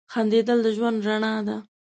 • خندېدل د ژوند رڼا ده.